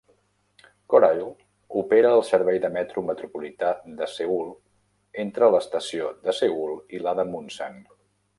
Korail opera el servei del metro metropolità de Seül entre l'estació de Seül i la de Munsan.